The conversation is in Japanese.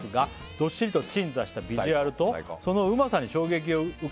「どっしりと鎮座したビジュアルとそのうまさに衝撃を受け」